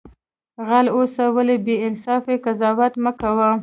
غل اوسه ولی بی انصافی قضاوت مکوه